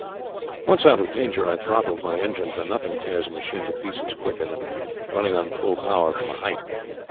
"Once out of danger I throttled my engine, for nothing tears a machine to pieces quicker than running on full power from a height.